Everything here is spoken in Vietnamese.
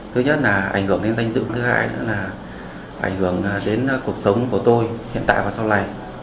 thứ nhất là ảnh hưởng đến danh dự thứ hai nữa là ảnh hưởng đến cuộc sống của tôi hiện tại và sau này